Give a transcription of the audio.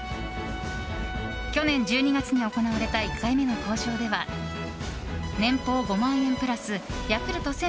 去年１２月に行われた１回目の交渉では年俸５万円プラスヤクルト１０００